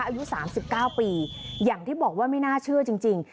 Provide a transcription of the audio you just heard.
อายุสามสิบเก้าปีอย่างที่บอกว่าไม่น่าเชื่อจริงจริง